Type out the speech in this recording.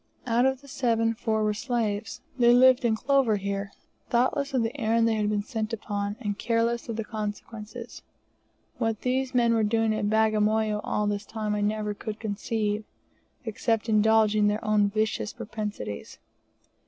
Out of the seven, four were slaves. They lived in clover here thoughtless of the errand they had been sent upon, and careless of the consequences. What these men were doing at Bagamoyo all this time I never could conceive, except indulging their own vicious propensities.